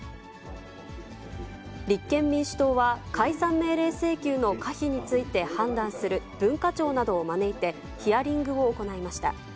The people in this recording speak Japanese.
立憲民主党は解散命令請求の可否について判断する文化庁などを招いて、ヒアリングを行いました。